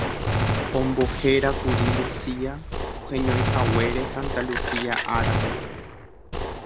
Ombohérakuri Lucía, heñoihaguére Santa Lucía árape.